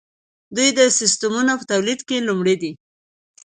دوی د سیمنټو په تولید کې لومړی دي.